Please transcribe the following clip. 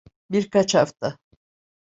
Birkaç hafta.